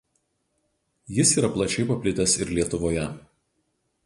Jis yra plačiai paplitęs ir Lietuvoje.